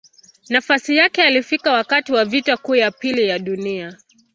Nafasi yake alifika wakati wa Vita Kuu ya Pili ya Dunia.